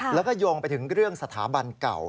แล้วก็โยงไปถึงเรื่องสถาบันเก่า